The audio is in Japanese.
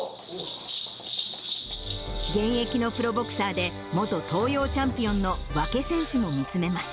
現役のプロボクサーで、元東洋チャンピオンの和氣選手も見つめます。